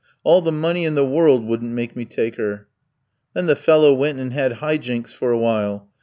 All the money in the world wouldn't make me take her.' "Then the fellow went and had high jinks for a while.